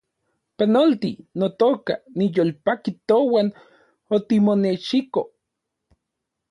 Panolti, notoka , niyolpaki touan otimonechiko